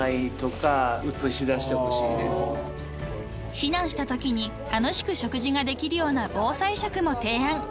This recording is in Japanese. ［避難したときに楽しく食事ができるような防災食も提案］